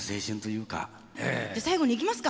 じゃ最後にいきますか。